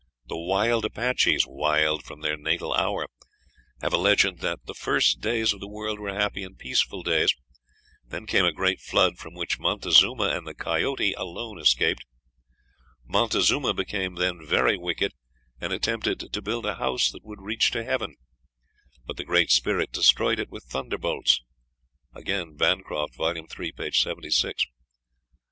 The wild Apaches, "wild from their natal hour," have a legend that "the first days of the world were happy and peaceful days;" then came a great flood, from which Montezuma and the coyote alone escaped. Montezuma became then very wicked, and attempted to build a house that would reach to heaven, but the Great Spirit destroyed it with thunderbolts. (Bancroft's "Native Races," vol. iii., p. 76.)